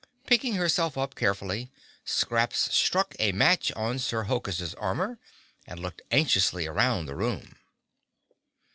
Picking herself up carefully, Scraps struck a match on Sir Hokus' armor and looked anxiously around the room.